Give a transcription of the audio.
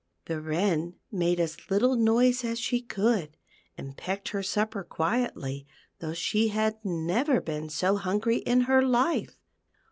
The Wren made as little noise as she could, and pecked her supper quietly, though she had never been so hungry in her life.